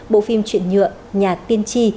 bộ phim chuyện nhựa nhà tiên tri